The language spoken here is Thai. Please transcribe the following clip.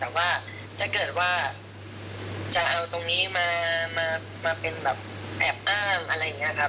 แต่ว่าถ้าเกิดว่าจะเอาตรงนี้มาเป็นแบบแอบอ้างอะไรอย่างนี้ครับ